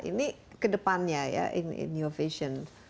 ini kedepannya ya in your vision